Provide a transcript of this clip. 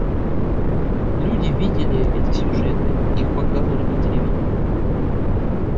Люди видели эти сюжеты, их показывали по телевидению.